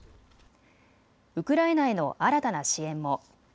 ウクライナへの新たな支援も。